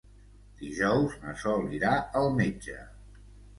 Dijous na Sol irà al metge.